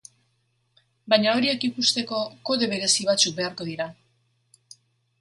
Baina horiek ikusteko kode berezi batzuk beharko dira.